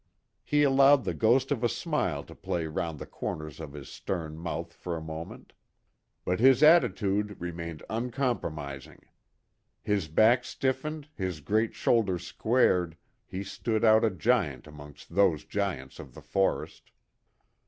He allowed the ghost of a smile to play round the corners of his stern mouth for a moment. But his attitude remained uncompromising. His back stiffened, his great shoulders squared, he stood out a giant amongst those giants of the forest.